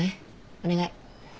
お願い。